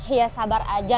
iya sabar aja